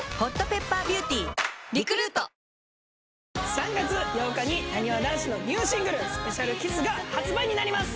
３月８日になにわ男子のニューシングル『ＳｐｅｃｉａｌＫｉｓｓ』が発売になります。